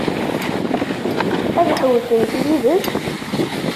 Ad ḥewwsent yid-s?